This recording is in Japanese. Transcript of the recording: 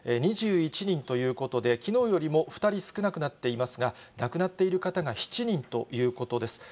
２１人ということで、きのうよりも２人少なくなっていますが、亡くなっている方が７人ということです。